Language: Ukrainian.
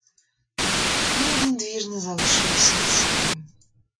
Ні один двір не залишився цілим.